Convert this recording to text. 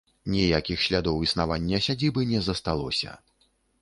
Ніякіх слядоў існавання сядзібы не засталося.